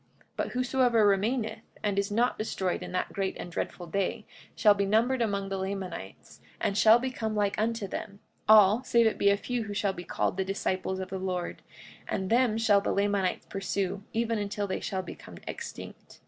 45:14 But whosoever remaineth, and is not destroyed in that great and dreadful day, shall be numbered among the Lamanites, and shall become like unto them, all, save it be a few who shall be called the disciples of the Lord; and them shall the Lamanites pursue even until they shall become extinct.